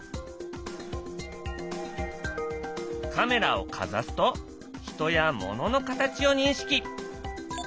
カメラをかざすと人や物の形を認識。